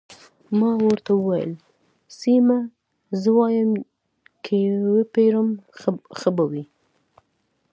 ما ورته وویل: سیمه، زه وایم که يې وپېرم، ښه به وي.